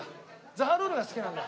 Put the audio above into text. ザバロールが好きなんだ。